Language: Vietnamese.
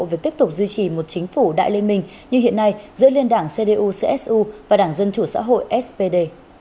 về tiếp tục duy trì một chính phủ đại liên minh như hiện nay giữa liên đảng cdu csu và đảng dân chủ xã hội spd